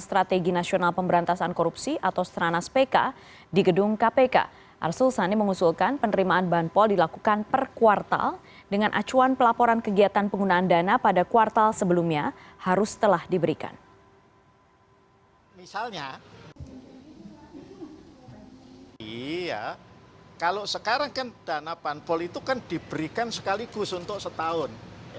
misalnya kalau sekarang kan dana panpol itu kan diberikan sekaligus untuk setahun